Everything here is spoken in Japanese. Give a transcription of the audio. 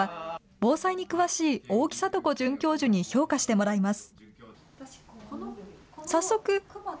防災に詳しい大木聖子准教授に評価してもらいます。